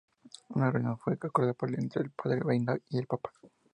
Una reunión fue acordada entre el padre Benoît y el papa.